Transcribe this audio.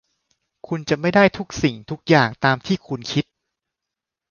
คุณจะไม่ได้ทุกสิ่งทุกอย่างตามที่คุณคิด